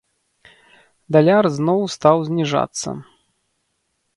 Даляр зноў стаў зніжацца.